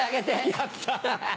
やった。